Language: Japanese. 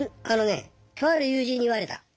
あのねとある友人に言われた。